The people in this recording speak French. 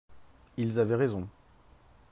Ils avaient raison.